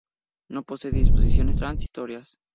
No posee disposiciones transitorias.